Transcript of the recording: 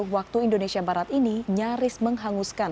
waktu indonesia barat ini nyaris menghanguskan